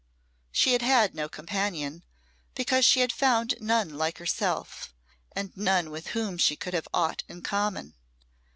She had had no companion, because she had found none like herself, and none with whom she could have aught in common.